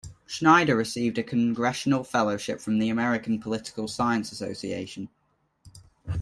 Schneider received a Congressional Fellowship from the American Political Science Association.